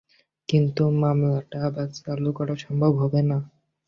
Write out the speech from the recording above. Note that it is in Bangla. কিন্তু মামলাটা আবার চালু করা সম্ভব হবে না।